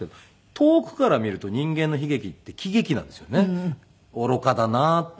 遠くから見ると人間の悲劇って喜劇なんですよね愚かだなーって。